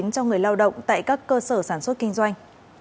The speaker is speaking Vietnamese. cho người lao động tại các cơ sở sản xuất kinh doanh